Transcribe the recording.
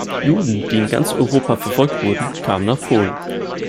Juden, die in ganz Europa verfolgt wurden, kamen nach Polen.